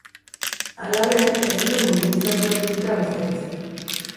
Halaber, ez dute mobilizazioak egitea baztertzen.